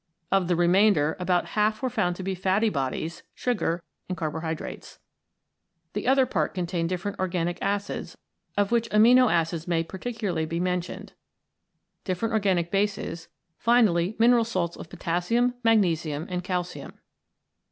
Of the remainder about half were found to be fatty bodies, sugar, and carbohydrates. The other part contained different organic acids, of which amino acids may particularly be mentioned, 15 CHEMICAL PHENOMENA IN LIFE different organic bases, finally mineral salts of potassium, magnesium, and calcium.